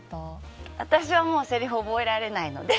私はもうせりふ覚えられないので。